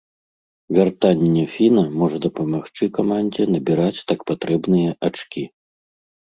Вяртанне фіна можа дапамагчы камандзе набіраць так патрэбныя ачкі.